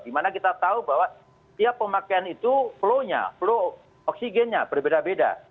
dimana kita tahu bahwa tiap pemakaian itu flow nya flow oksigennya berbeda beda